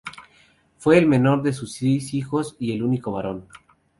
Fue el menor de sus seis hijos y el único varón.